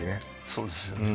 そうですよね